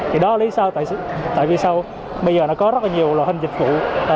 thì đó lý do tại vì sao bây giờ nó có rất là nhiều loại hình dịch vụ